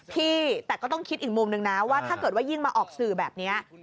พี่แต่ก็ต้องคิดอีกมุมนึงนะว่าถ้าเกิดว่ายิ่งมาออกสื่อแบบนี้